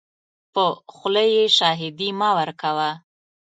په خوله یې شاهدي مه ورکوه .